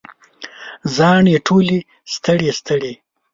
زاڼې ټولې ستړي، ستړي